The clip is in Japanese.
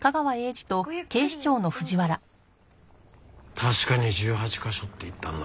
確かに１８カ所って言ったんだな？